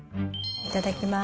いただきます。